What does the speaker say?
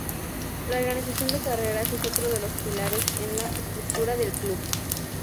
La organización de carreras es otro de los pilares en la estructura del club.